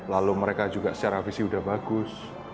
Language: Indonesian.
lalu mereka juga secara visi sudah bagus